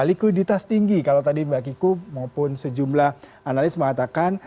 likuiditas tinggi kalau tadi mbak kiku maupun sejumlah analis mengatakan